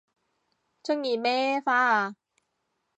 鍾意咩花啊